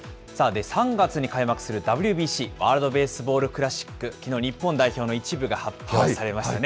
３月に開幕するＷＢＣ・ワールドベースボールクラシック、きのう、日本代表の一部が発表されましたね。